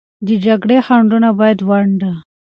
د جګړې خنډونه باید ونډ